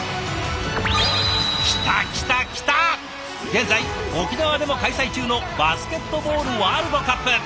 現在沖縄でも開催中のバスケットボールワールドカップ。